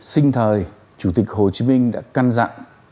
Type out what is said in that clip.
sinh thời chủ tịch hồ chí minh đã căn dặn